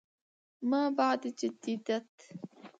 ما بعد جديديت